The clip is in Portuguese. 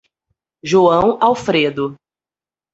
João Alfredo